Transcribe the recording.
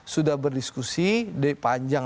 sudah berdiskusi di panjang